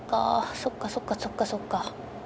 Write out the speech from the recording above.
そっかそっかそっかそっか。